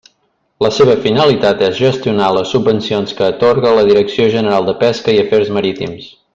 La seva finalitat és gestionar les subvencions que atorga la Direcció General de Pesca i Afers Marítims.